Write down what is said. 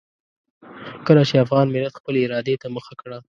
کله چې افغان ملت خپلې ارادې ته مخه کړه.